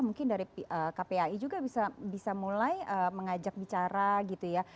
mungkin dari kpai juga bisa mulai mengajak bicara gitu ya